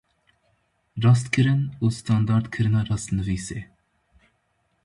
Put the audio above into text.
Rastkirin û standardkirina rastnivîsê